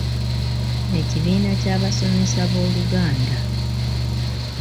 Ekibiina ky’Abasomesa b’Oluganda,